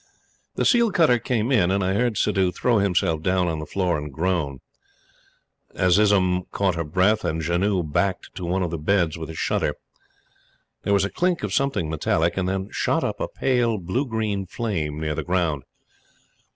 The seal cutter came in, and I heard Suddhoo throw himself down on the floor and groan. Azizun caught her breath, and Janoo backed to one of the beds with a shudder. There was a clink of something metallic, and then shot up a pale blue green flame near the ground.